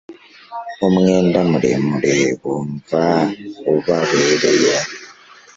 Umwenda muremure bumva ubabereye.